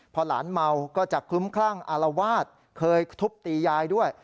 พอหลานเมาก็จะคลุ้มคลั่งอารวาสเคยทุบตียายด้วย